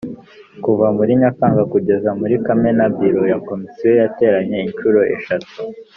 Kuva muri Nyakanga kugeza muri Kamena biro ya Komisiyo yateranye inshuro eshatu